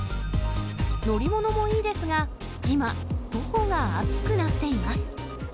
乗り物もいいですが、今、徒歩が熱くなっています。